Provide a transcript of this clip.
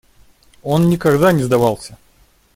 Он никогда не сдавался.